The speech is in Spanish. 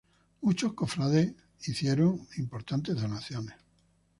Muchos cofrades hicieron importantes donaciones.